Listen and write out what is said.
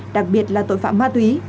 đặc biệt là tội phạm ma túy